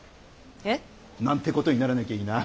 え？なんてことにならなきゃいいな。